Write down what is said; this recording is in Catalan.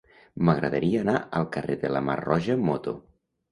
M'agradaria anar al carrer de la Mar Roja amb moto.